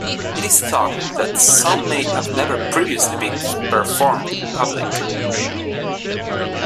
It is thought that some may have never previously been performed in public.